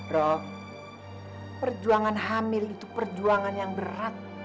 roh perjuangan hamil itu perjuangan yang berat